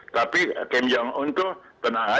tapi kim jong un itu tenang